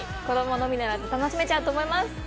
子供のみならず楽しめちゃうと思います。